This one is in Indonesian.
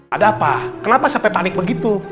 ada apa kenapa sampai panik begitu